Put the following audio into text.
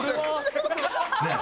ねえ。